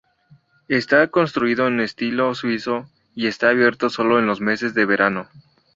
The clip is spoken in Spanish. Está construido en estilo suizo y está abierto sólo en los meses de verano.